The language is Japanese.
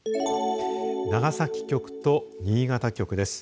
長崎局と新潟局です。